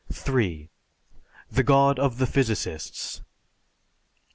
(3) The god of the Physicists.